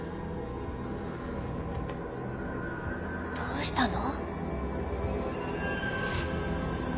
どうしたの？